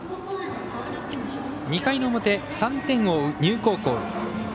２回の表、３点を追う丹生高校。